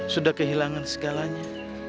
sudah kehilangan segalanya